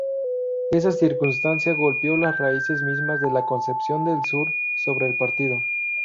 Esa circunstancia golpeó las raíces mismas de la concepción del Sur sobre el partido.